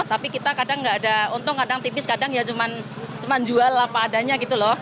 tapi kita kadang nggak ada untung kadang tipis kadang ya cuma jual apa adanya gitu loh